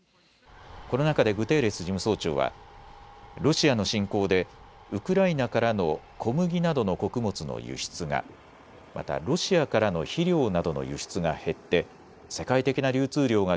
この中でグテーレス事務総長はロシアの侵攻でウクライナからの小麦などの穀物の輸出が、またロシアからの肥料などの輸出が減って世界的な流通量が